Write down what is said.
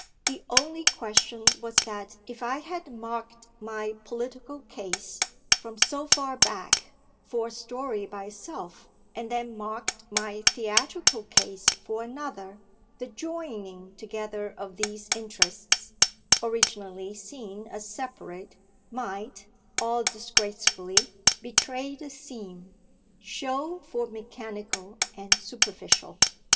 The only question was that if I had marked my political case, from so far back, for "a story by itself," and then marked my theatrical case for another, the joining together of these interests, originally seen as separate, might, all disgracefully, betray the seam, show for mechanical and superficial.